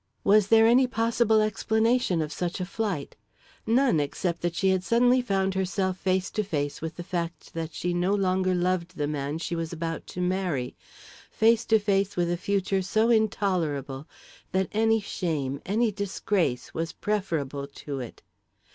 Was there any possible explanation of such a flight? None, except that she had suddenly found herself face to face with the fact that she no longer loved the man she was about to marry face to face with a future so intolerable that any shame, any disgrace, was preferable to it.